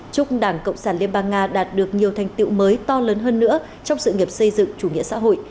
chúc đảng cộng sản liên bang nga đạt được nhiều thành tiệu mới to lớn hơn nữa trong sự nghiệp xây dựng chủ nghĩa xã hội